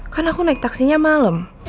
kan aku naik taksinya malam